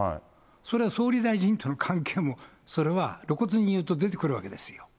それは総理大臣との関係もそれは露骨に言うと出てくるわけですよ。